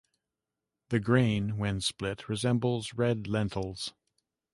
The grain when split resembles red lentils.